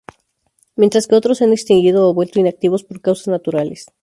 Mientras que otros se han extinguido o vuelto inactivos por causas naturales.